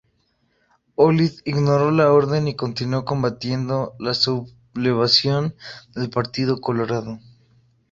Olid ignoró la orden y continuó combatiendo la sublevación del Partido Colorado.